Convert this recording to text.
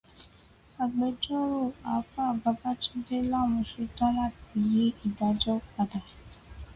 Agbẹjọ́rò Àfáà Babátúndé láwọn ṣetán láti yí ìdájọ padà.